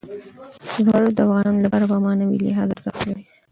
زمرد د افغانانو لپاره په معنوي لحاظ ارزښت لري.